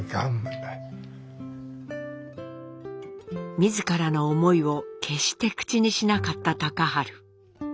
自らの思いを決して口にしなかった隆治。